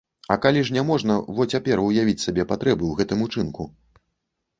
А калі ж няможна во цяпер уявіць сабе патрэбы ў гэтым учынку.